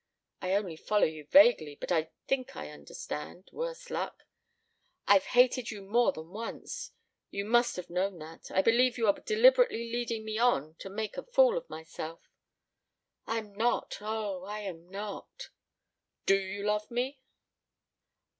"I only follow you vaguely. But I think I understand worse luck! I've hated you more than once. You must have known that. I believe you are deliberately leading me on to make a fool of myself." "I am not! Oh, I am not!" "Do you love me?"